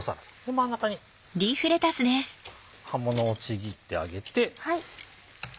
真ん中に葉ものをちぎってあげて。